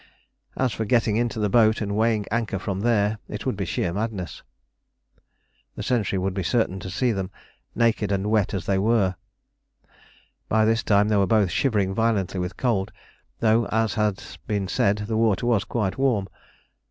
As for getting into the boat and weighing anchor from there, it would be sheer madness. The sentry would be certain to see them, naked and wet as they were. By this time they were both shivering violently with cold, though, as has been said, the water was quite warm.